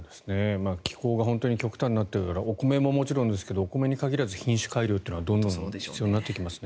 気候が極端になってお米ももちろんですがお米に限らず品種改良というのはどんどん必要になってきますね。